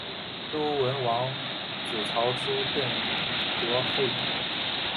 周文王子曹叔振铎后裔。